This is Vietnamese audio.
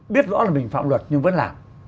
biết rõ là mình phạm luật nhưng vẫn làm